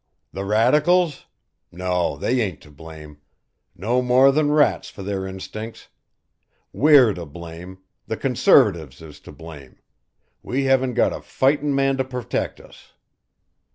the Radicals no, they ain't to blame, no more than rats for their instincts; we're to blame, the Conservatives is to blame, we haven't got a fightin' man to purtect us.